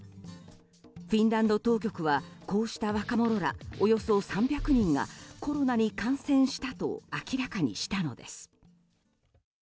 フィンランド当局はこうした若者らおよそ３００人がコロナに感染したと明らかにしたのです。